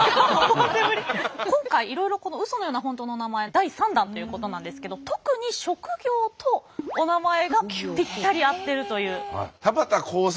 今回いろいろこのウソのようなホントのおなまえ第３弾ということなんですけど特に職業とおなまえがピッタリ合ってるという。